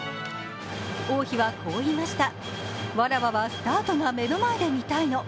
王妃はこう言いました。